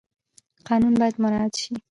قانون باید مراعات شي